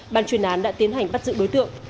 ban chuyên án đã tiến hành bắt giữ đối tượng